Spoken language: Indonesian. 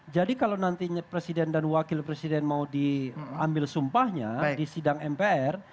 jadi kalau nanti presiden dan wakil presiden mau diambil sumpahnya di sidang mpr